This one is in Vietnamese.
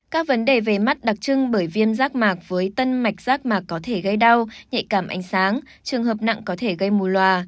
các vấn đề về mắt đặc trưng bởi viêm rác mạc với tân mạch rác mạc có thể gây đau nhạy cảm ánh sáng trường hợp nặng có thể gây mù loà